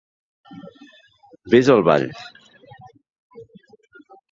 Ves al ball!